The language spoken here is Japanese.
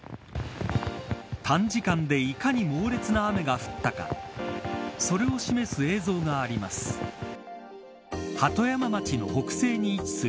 短時間でいかに猛烈な雨が降ったかそれを示す映像があります。